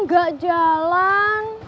kok gak jalan